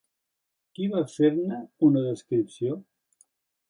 Qui va fer-ne una descripció?